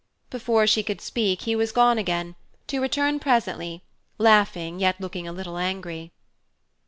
Before she could speak, he was gone again, to return presently, laughing, yet looking a little angry.